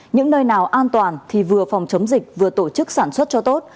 những nơi nào an toàn thì vừa phòng chống dịch vừa tổ chức sản xuất cho tốt